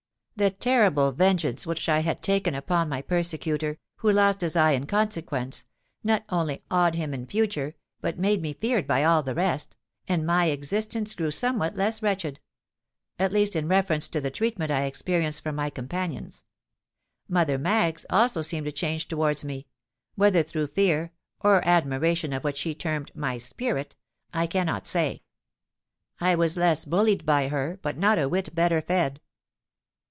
"The terrible vengeance which I had taken upon my persecutor, who lost his eye in consequence, not only awed him in future, but made me feared by all the rest; and my existence grew somewhat less wretched—at least in reference to the treatment I experienced from my companions. Mother Maggs also seemed to change towards me—whether through fear, or admiration at what she termed 'my spirit,' I cannot say. I was less bullied by her—but not a whit better fed.